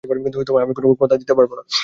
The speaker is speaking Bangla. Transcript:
কিন্তু আমি কোনো কথা দিতে পারবো না।